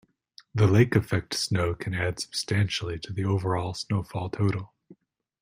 The lake-effect snow can add substantially to the overall snowfall total.